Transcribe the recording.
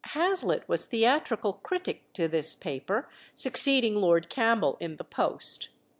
Hazlitt was theatrical critic to this paper, succeeding Lord Campbell in the post.